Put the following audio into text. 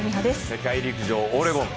世界陸上オレゴン